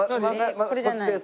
こっちです。